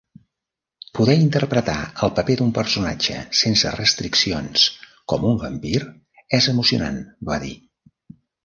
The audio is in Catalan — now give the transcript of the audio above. "Poder interpretar el paper d'un personatge sense restriccions com un vampir és emocionant", va dir.